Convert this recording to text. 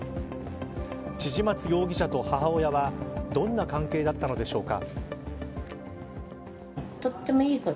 千々松容疑者と母親はどんな関係だったのでしょうか。